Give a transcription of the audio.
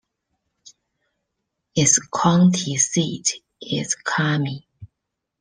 Its county seat is Carmi.